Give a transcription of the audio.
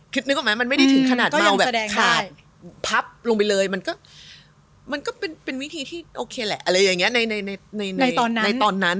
คิดนึกออกไหมมันไม่ได้ถึงขนาดเมาแบบขาดพับลงไปเลยมันก็เป็นวิธีที่โอเคแหละอะไรอย่างเงี้ยในตอนนั้น